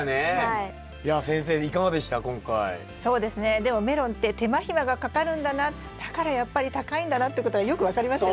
そうですねでもメロンって手間暇がかかるんだなだからやっぱり高いんだなってことがよく分かりますよね。